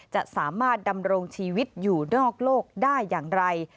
จะสามารถดำรงชีวิตอยู่นอกโลกได้อย่างไร